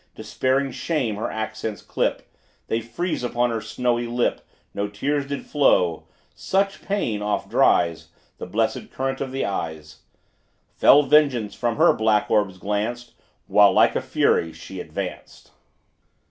Despairing shame her accents clip; They freeze upon her snowy lip. No tears did flow; such pain oft dries The blessed current of the eyes: Fell vengeance from her black orbs glanced, While like a fury, she advanced.